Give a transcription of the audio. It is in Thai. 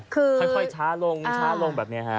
ค่อยช้าลงแบบนี้ฮะ